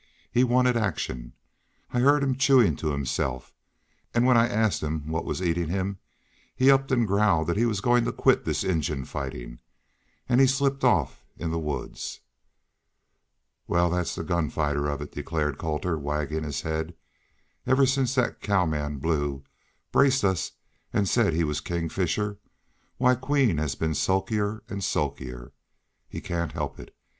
"He wanted action. I heerd him chewin' to himself, an' when I asked him what was eatin' him he up an' growled he was goin' to quit this Injun fightin'. An' he slipped off in the woods." "Wal, that's the gun fighter of it," declared Colter, wagging his head, "Ever since that cowman, Blue, braced us an' said he was King Fisher, why Queen has been sulkier an' sulkier. He cain't help it.